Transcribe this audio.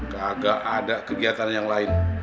kagak ada kegiatan yang lain